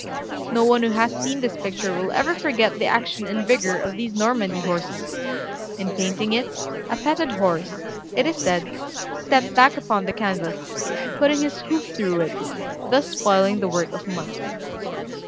No one who has seen this picture will ever forget the action and vigor of these Normandy horses. In painting it, a petted horse, it is said, stepped back upon the canvas, putting his hoof through it, thus spoiling the work of months.